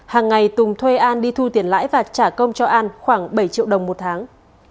hàng ngày tùng thuê an đi thu tiền lãi và trả công cho an khoảng bảy triệu đồng một tháng